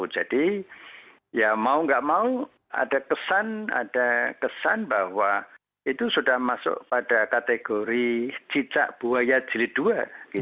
jadi ya mau gak mau ada kesan bahwa itu sudah masuk pada kategori cicak buaya jeli dua